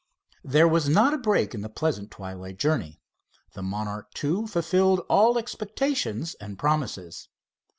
There was not a break in the pleasant twilight journey. The Monarch II fulfilled all expectations and promises.